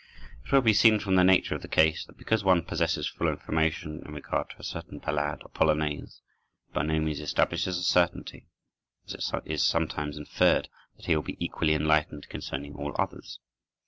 It will be seen from the nature of the case, that because one possesses full information in regard to a certain ballade or polonaise, it by no means establishes a certainty, as is sometimes inferred, that he will be equally enlightened concerning all others.